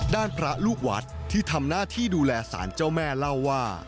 ด้านพระลูกวัดที่ทำหน้าที่ดูแลสารเจ้าแม่เล่าว่า